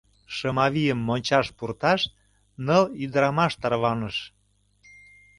Шымавийым мончаш пурташ ныл ӱдырамаш тарваныш.